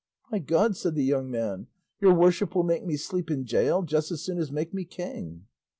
"By God," said the young man, "your worship will make me sleep in gaol just as soon as make me king."